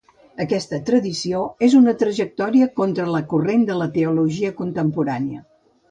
Aquesta tradició es una trajectòria contra la corrent de la teologia contemporània.